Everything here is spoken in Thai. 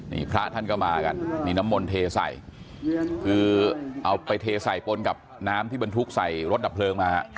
นี่พระท่านก็มากันนี่น้ำมนต์เทใส่คือเอาไปเทใส่ปนกับน้ำที่บรรทุกใส่รถดับเพลิงมาฮะ